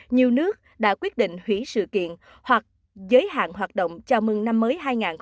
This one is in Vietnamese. nhiều nước đã quyết định hủy sự kiện hoặc giới hạn hoạt động chào mừng năm mới hai nghìn hai mươi